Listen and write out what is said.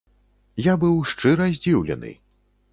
Я быў шчыра здзіўлены.